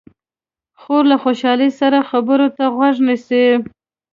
خور له خوشحالۍ سره خبرو ته غوږ نیسي.